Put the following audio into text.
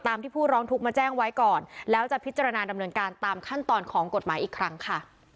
ที่ผู้ร้องทุกข์มาแจ้งไว้ก่อนแล้วจะพิจารณาดำเนินการตามขั้นตอนของกฎหมายอีกครั้งค่ะ